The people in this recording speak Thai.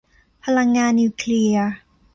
พลังงานนิวเคลียร์